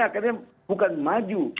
akhirnya bukan maju